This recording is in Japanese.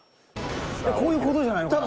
こういう事じゃないのかな？